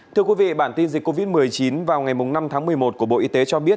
thưa quý vị bản tin dịch covid một mươi chín vào ngày năm tháng một mươi một của bộ y tế cho biết